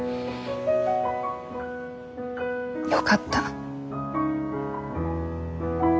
よかった。